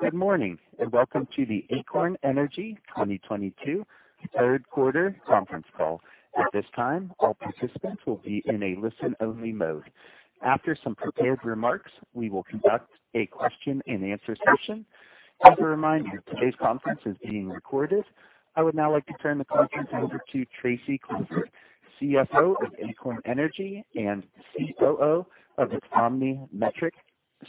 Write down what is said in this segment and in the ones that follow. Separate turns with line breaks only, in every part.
Good morning, and welcome to the Acorn Energy 2022 third quarter conference call. At this time, all participants will be in a listen-only mode. After some prepared remarks, we will conduct a question-and-answer session. As a reminder, today's conference is being recorded. I would now like to turn the conference over to Tracy Clifford, CFO of Acorn Energy and COO of its OmniMetrix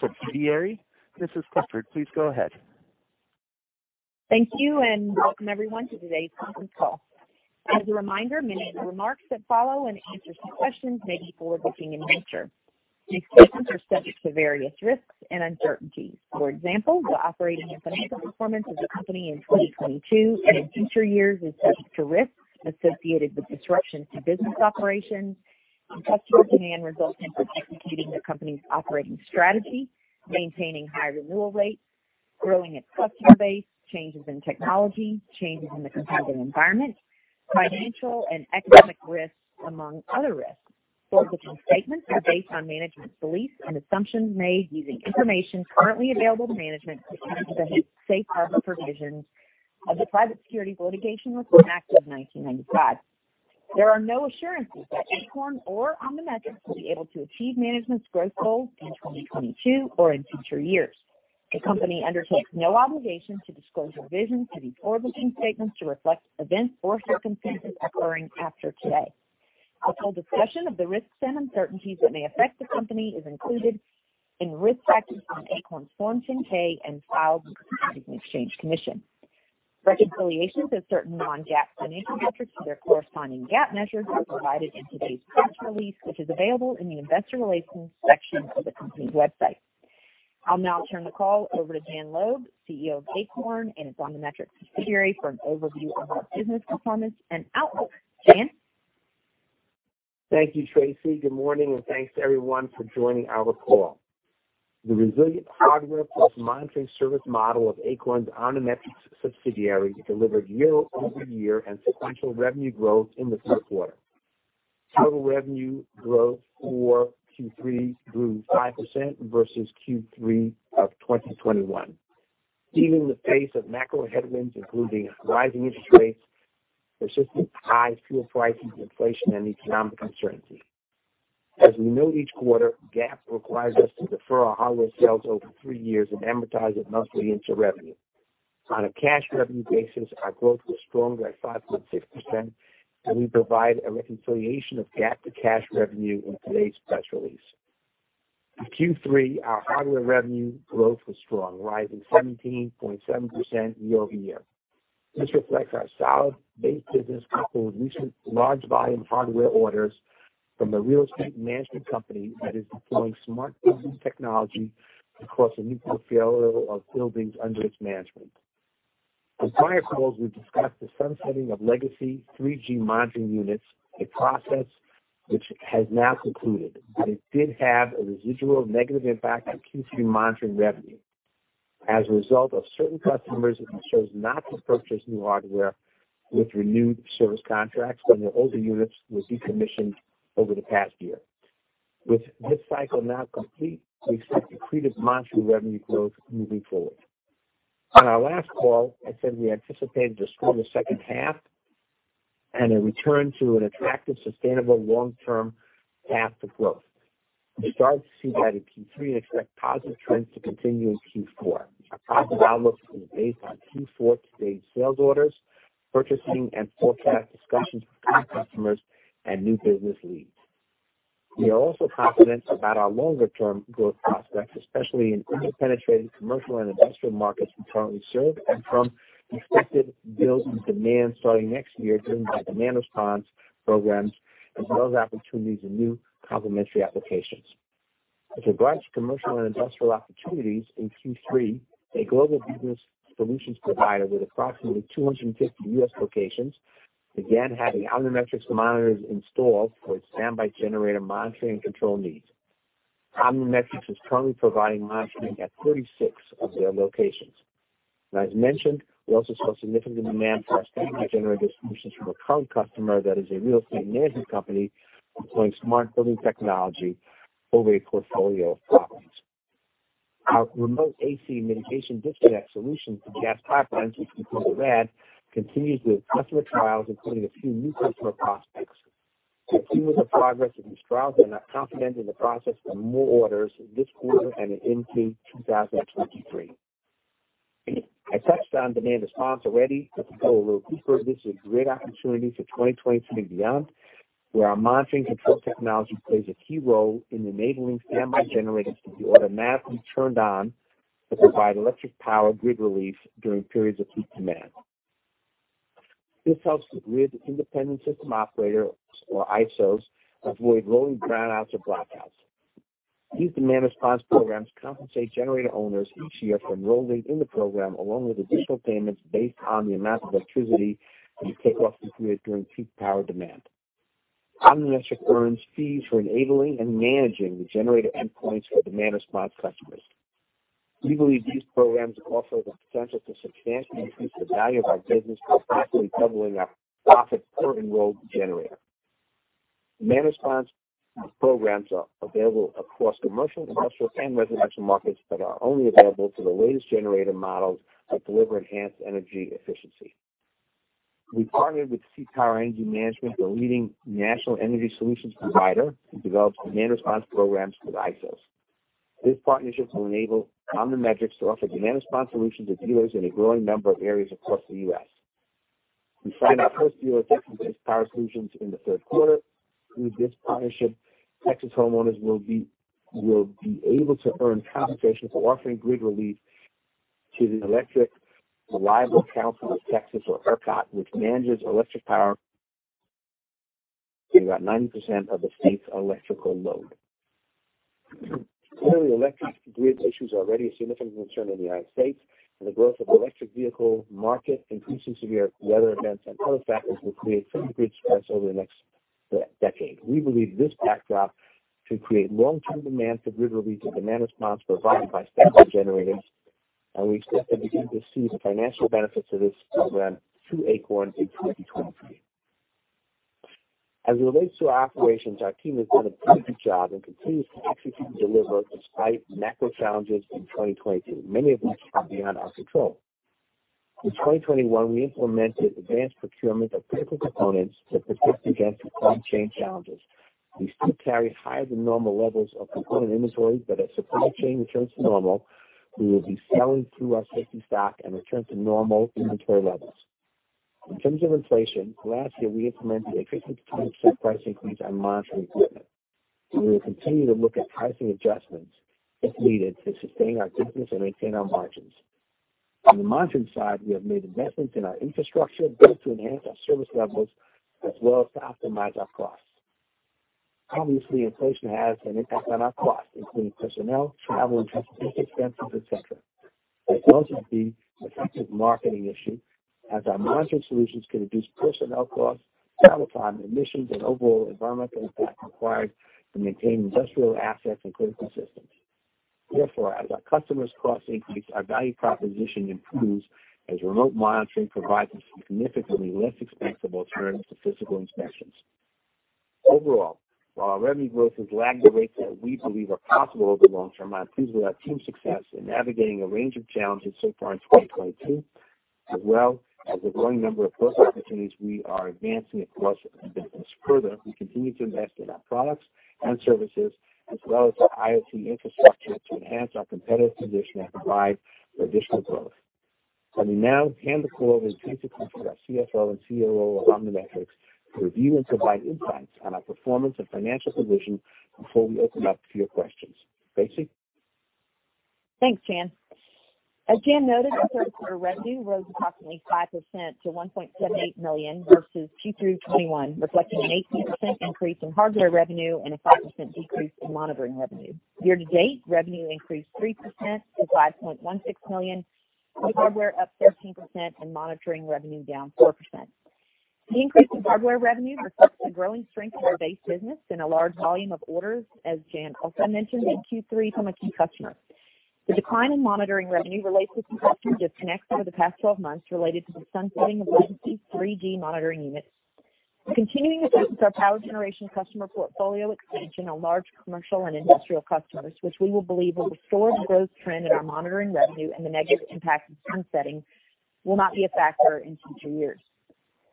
subsidiary. Mrs. Clifford, please go ahead.
Thank you, and welcome everyone to today's conference call. As a reminder, many of the remarks that follow and answers to questions may be forward-looking in nature. Expectations are subject to various risks and uncertainties. For example, the operating and financial performance of the company in 2022 and in future years is subject to risks associated with disruptions to business operations, customer demand resulting from executing the company's operating strategy, maintaining high renewal rates, growing its customer base, changes in technology, changes in the competitive environment, financial and economic risks, among other risks. Forward-looking statements are based on management's beliefs and assumptions made using information currently available to management within the safe harbor provisions of the Private Securities Litigation Reform Act of 1995. There are no assurances that Acorn or OmniMetrix will be able to achieve management's growth goals in 2022 or in future years. The company undertakes no obligation to disclose revisions to these forward-looking statements to reflect events or circumstances occurring after today. A full discussion of the risks and uncertainties that may affect the company is included in risk factors on Acorn's Form 10-K and filed with the Securities and Exchange Commission. Reconciliations of certain non-GAAP financial metrics to their corresponding GAAP measures are provided in today's press release, which is available in the investor relations section of the company's website. I'll now turn the call over to Jan Loeb, CEO of Acorn and its OmniMetrix subsidiary, for an overview of our business performance and outlook. Jan?
Thank you, Tracy. Good morning, and thanks to everyone for joining our call. The resilient hardware plus monitoring service model of Acorn's OmniMetrix subsidiary delivered year-over-year and sequential revenue growth in the third quarter. Total revenue growth for Q3 grew 5% versus Q3 of 2021. Even in the face of macro headwinds, including rising interest rates, persistent high fuel prices, inflation, and economic uncertainty. As we note each quarter, GAAP requires us to defer our hardware sales over three years and amortize it monthly into revenue. On a cash revenue basis, our growth was stronger at 5.6%, and we provide a reconciliation of GAAP to cash revenue in today's press release. In Q3, our Hardware revenue growth was strong, rising 17.7% year-over-year. This reflects our solid base business coupled with recent large volume hardware orders from a real estate management company that is deploying smart building technology across a new portfolio of buildings under its management. On prior calls, we've discussed the sunsetting of legacy 3G monitoring units, a process which has now concluded, but it did have a residual negative impact on Q3 monitoring revenue as a result of certain customers who chose not to purchase new hardware with renewed service contracts when their older units were decommissioned over the past year. With this cycle now complete, we expect accretive monitoring revenue growth moving forward. On our last call, I said we anticipated a stronger second half and a return to an attractive, sustainable long-term path to growth. We start to see that in Q3 and expect positive trends to continue in Q4. Our positive outlook is based on Q4 to date sales orders, purchasing and forecast discussions with key customers and new business leads. We are also confident about our longer-term growth prospects, especially in under-penetrated commercial and industrial markets we currently serve and from expected build and demand starting next year driven by demand response programs as well as opportunities in new complementary applications. With regards to commercial and industrial opportunities in Q3, a global business solutions provider with approximately 250 U.S. locations began having OmniMetrix monitors installed for its standby generator monitoring and control needs. OmniMetrix is currently providing monitoring at 36 of their locations. As mentioned, we also saw significant demand for our standby generator solutions from a current customer that is a real estate management company deploying smart building technology over a portfolio of properties. Our remote AC mitigation disconnect solution for gas pipelines, which we call RAD, continues with customer trials including a few new customer prospects. We're pleased with the progress of these trials and are confident in the process for more orders this quarter and into 2023. I touched on demand response already. Let's go a little deeper. This is a great opportunity for 2023 and beyond, where our monitoring and control technology plays a key role in enabling standby generators to be automatically turned on to provide electric power grid relief during periods of peak demand. This helps the grid, independent system operators or ISOs avoid rolling brownouts or blackouts. These demand response programs compensate generator owners each year for enrolling in the program, along with additional payments based on the amount of electricity they take off the grid during peak power demand. OmniMetrix earns fees for enabling and managing the generator endpoints for demand response customers. We believe these programs offer the potential to substantially increase the value of our business by possibly doubling our profit per enrolled generator. Demand response programs are available across commercial, industrial, and residential markets that are only available to the latest generator models that deliver enhanced energy efficiency. We partnered with CPower Energy Management, the leading national energy solutions provider, who develops demand response programs for the ISOs. This partnership will enable OmniMetrix to offer demand response solutions to dealers in a growing number of areas across the U.S. We signed our first deal with CPower in the third quarter. Through this partnership, Texas homeowners will be able to earn compensation for offering grid relief to the Electric Reliability Council of Texas, or ERCOT, which manages electric power in about 90% of the state's electrical load. Currently, electric grid issues are already a significant concern in the United States, and the growth of electric vehicle market, increasing severe weather events, and other factors will create further grid stress over the next decade. We believe this backdrop should create long-term demand for grid relief and demand response provided by stationary generators, and we expect to begin to see the financial benefits of this program through Acorn in 2023. As it relates to our operations, our team has done a pretty good job and continues to execute and deliver despite macro challenges in 2022, many of which are beyond our control. In 2021, we implemented advanced procurement of critical components to protect against supply chain challenges. We still carry higher than normal levels of component inventories, but as supply chain returns to normal, we will be selling through our safety stock and return to normal inventory levels. In terms of inflation, last year we implemented a 15%-20% price increase on monitoring equipment. We will continue to look at pricing adjustments if needed to sustain our business and maintain our margins. On the monitoring side, we have made investments in our infrastructure both to enhance our service levels as well as to optimize our costs. Obviously, inflation has an impact on our costs, including personnel, travel and transportation expenses, et cetera. There's also the effective marketing issue as our monitoring solutions can reduce personnel costs, travel time, emissions, and overall environmental impact required to maintain industrial assets and critical systems. Therefore, as our customers' costs increase, our value proposition improves as remote monitoring provides a significantly less expensive alternative to physical inspections. Overall, while our revenue growth has lagged the rates that we believe are possible over the long-term, I'm pleased with our team's success in navigating a range of challenges so far in 2022. As well as a growing number of growth opportunities we are advancing across our business. Further, we continue to invest in our products and services as well as our IoT infrastructure to enhance our competitive position and provide for additional growth. Let me now hand the call over to Tracy Clifford, our CFO and COO of OmniMetrix, to review and provide insights on our performance and financial position before we open it up to your questions. Tracy?
Thanks, Jan. As Jan noted, third quarter revenue rose approximately 5% to $1.78 million versus Q3 2021, reflecting an 18% increase in hardware revenue and a 5% decrease in monitoring revenue. Year-to-date, revenue increased 3% to $5.16 million, with Hardware up 13% and monitoring revenue down 4%. The increase in Hardware revenue reflects the growing strength in our Base business and a large volume of orders, as Jan also mentioned in Q3 from a key customer. The decline in monitoring revenue relates to customer disconnects over the past 12 months related to the sunsetting of legacy 3G monitoring units. We're continuing to focus our power generation customer portfolio expansion on large commercial and industrial customers, which we believe will restore the growth trend in our monitoring revenue and the negative impact of sunsetting will not be a factor in future years.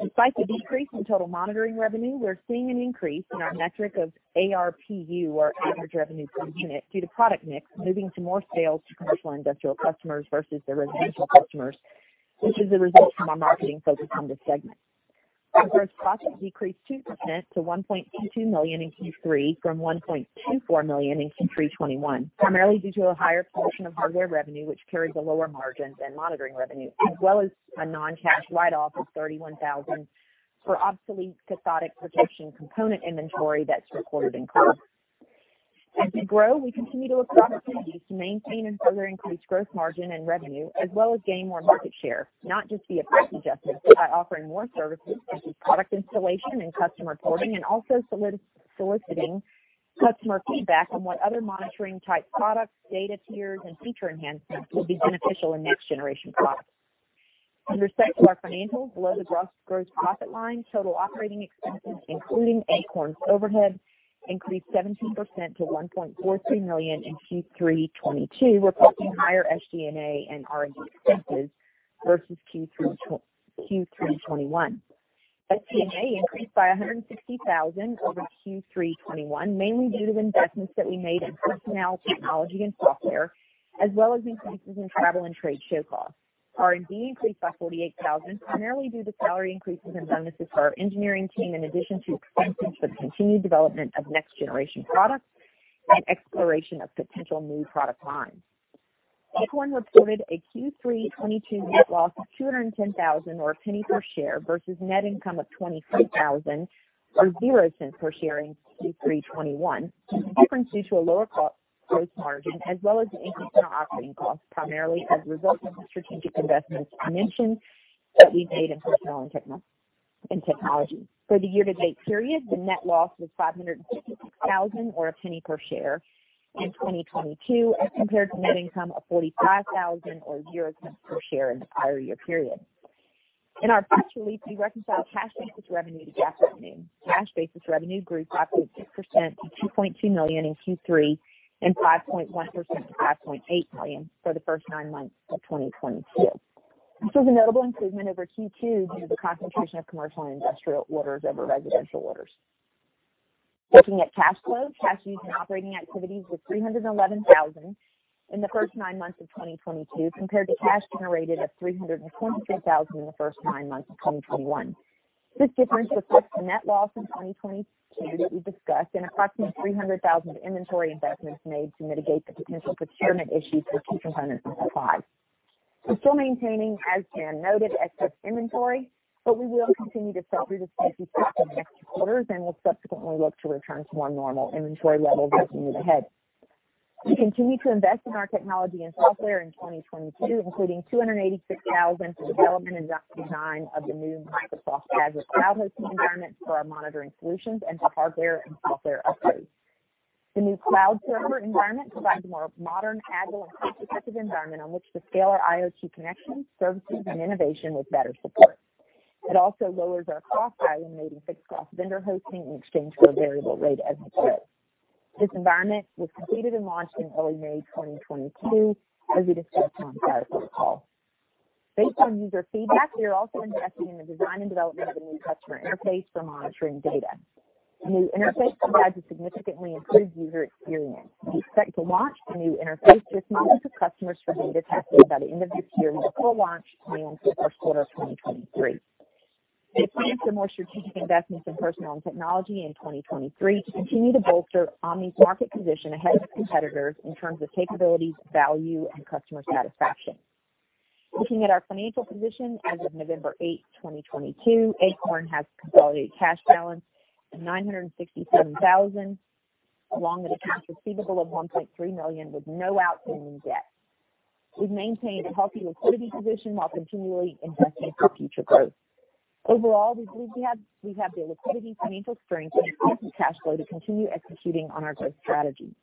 Despite the decrease in total monitoring revenue, we're seeing an increase in our metric of ARPU, or average revenue per unit, due to product mix, moving to more sales to commercial and industrial customers versus the residential customers, which is a result from our marketing focus on this segment. Gross profit decreased 2% to $1.82 million in Q3 from $1.24 million in Q3 2021, primarily due to a higher portion of hardware revenue, which carries a lower margin than monitoring revenue, as well as a non-cash write-off of $31,000 for obsolete cathodic protection component inventory that's recorded in COGS. As we grow, we continue to look for opportunities to maintain and further increase gross margin and revenue as well as gain more market share, not just via price adjustments, but by offering more services such as product installation and customer coding, and also soliciting customer feedback on what other monitoring type products, data tiers, and feature enhancements will be beneficial in next-generation products. Turning to our financials below the gross profit line, total operating expenses, including Acorn's overhead, increased 17% to $1.42 million in Q3 2022, reflecting higher SG&A and R&D expenses versus Q3 2021. SG&A increased by $160,000 over Q3 2021, mainly due to investments that we made in personnel, technology and software, as well as increases in travel and trade show costs. R&D increased by $48,000, primarily due to salary increases and bonuses for our engineering team, in addition to expenses for the continued development of next-generation products and exploration of potential new product lines. Acorn reported a Q3 2022 net loss of $210,000 or $0.01 per share versus net income of $23,000 or $0.00 per share in Q3 2021. The difference due to a lower gross margin as well as an increase in our operating costs, primarily as a result of the strategic investments I mentioned that we've made in personnel and technology. For the year-to-date period, the net loss was $566,000 or $0.01 per share in 2022 as compared to net income of $45,000 or $0.00 per share in the prior year period. In our press release, we reconcile cash basis revenue to GAAP revenue. Cash basis revenue grew 5.6% to $2.2 million in Q3 and 5.1% to $5.8 million for the first nine months of 2022. This is a notable improvement over Q2 due to the concentration of commercial and industrial orders over residential orders. Looking at cash flow, cash used in operating activities was $311,000 in the first nine months of 2022 compared to cash generated of $323,000 in the first nine months of 2021. This difference reflects the net loss in 2022 that we discussed and approximately $300,000 inventory investments made to mitigate the potential procurement issues for key components and supply. We're still maintaining, as Jan noted, excess inventory, but we will continue to sell through this excess in the next quarters and will subsequently look to return to more normal inventory levels as we move ahead. We continue to invest in our Technology and Software in 2022, including $286,000 for development and design of the new Microsoft Azure cloud hosting environment for our Monitoring Solutions and for Hardware and Software upgrades. The new cloud server environment provides a more modern, agile, and cost-effective environment on which to scale our IoT connections, services, and innovation with better support. It also lowers our costs by eliminating fixed cost vendor hosting in exchange for a variable rate as we grow. This environment was completed and launched in early May 2022, as we discussed on the last call. Based on user feedback, we are also investing in the design and development of a new customer interface for monitoring data. The new interface provides a significantly improved user experience. We expect to launch the new interface to a small group of customers for beta testing by the end of this year, with a full launch planned for first quarter 2023. We plan for more strategic investments in personnel and technology in 2023 to continue to bolster OmniMetrix's market position ahead of competitors in terms of capabilities, value, and customer satisfaction. Looking at our financial position as of November 8, 2022, Acorn has consolidated cash balance of $967,000, along with accounts receivable of $1.3 million with no outstanding debt. We've maintained a healthy liquidity position while continually investing for future growth. Overall, we believe we have the liquidity, financial strength, and positive cash flow to continue executing on our growth strategy.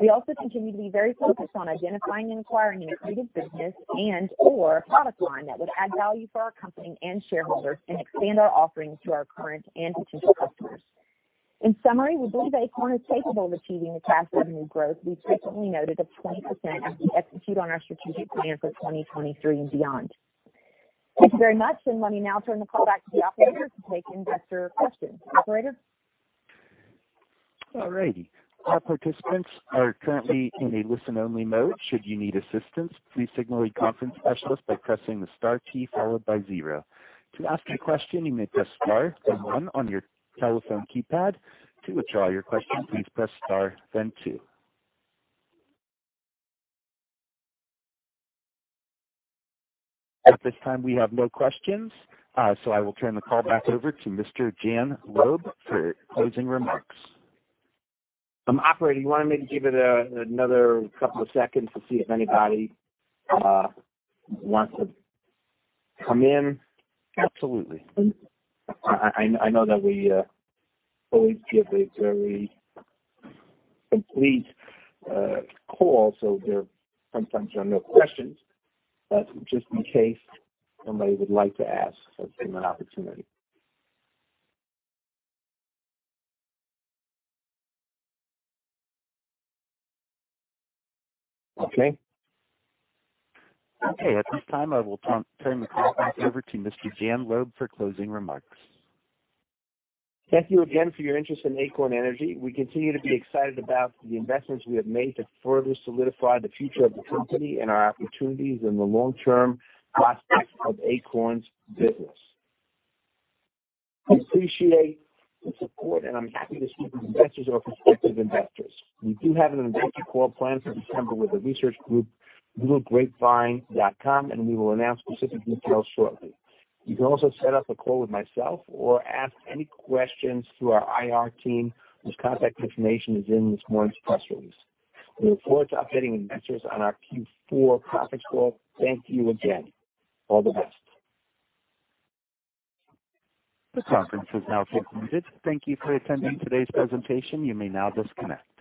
We also continue to be very focused on identifying and acquiring an accretive business and/or a product line that would add value for our company and shareholders and expand our offerings to our current and potential customers. In summary, we believe Acorn is capable of achieving the fast revenue growth we've recently noted of 20% as we execute on our strategic plan for 2023 and beyond. Thank you very much. Let me now turn the call back to the operator to take investor questions. Operator?
All righty. All participants are currently in a listen-only mode. Should you need assistance, please signal a conference specialist by pressing the Star key followed by zero. To ask a question, you may press Star then one on your telephone keypad. To withdraw your question, please press Star then two. At this time, we have no questions, so I will turn the call back over to Mr. Jan Loeb for closing remarks.
Operator, you want me to give it another couple of seconds to see if anybody wants to come in?
Absolutely.
I know that we always give a very complete call, so there sometimes are no questions. But just in case somebody would like to ask, let's give them an opportunity. Okay.
Okay. At this time, I will turn the conference over to Mr. Jan Loeb for closing remarks.
Thank you again for your interest in Acorn Energy. We continue to be excited about the investments we have made to further solidify the future of the company and our opportunities in the long-term prospects of Acorn's business. I appreciate the support, and I'm happy to speak with investors or prospective investors. We do have an investor call planned for December with the research group littlegrapevine.com, and we will announce specific details shortly. You can also set up a call with myself or ask any questions through our IR team, whose contact information is in this morning's press release. We look forward to updating investors on our Q4 conference call. Thank you again. All the best.
This conference is now concluded. Thank you for attending today's presentation. You may now disconnect.